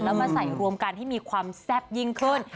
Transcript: แล้วมาใส่รวมกันให้มีความแซ่บยิ่งขึ้น